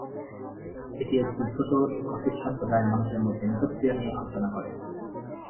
এটি একটি ছোট স্কটিশ সম্প্রদায়ের মানুষের মধ্যে মিথস্ক্রিয়া নিয়ে আলোচনা করে।